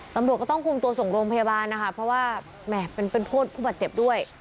ตำรวจก็ต้องคุมตัวส่งโรงพยาบาลนะคะเพราะว่าแหม่เป็นผู้บาดเจ็บด้วย